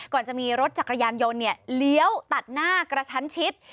ก่อนจะมีรถจักรยานยนต์เลี้ยวตัดหน้ากระชั้นชิด